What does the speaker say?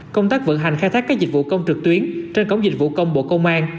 công tác vận hành khai thác các dịch vụ công trực tuyến trên cổng dịch vụ công bộ công an